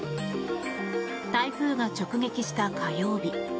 台風が直撃した火曜日